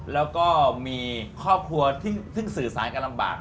แล้วก็มีครอบครัวซึ่งสื่อสารกันลำบาก